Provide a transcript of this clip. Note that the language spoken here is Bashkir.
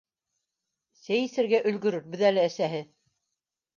— Сәй эсергә өлгөрөрбөҙ әле, әсәһе.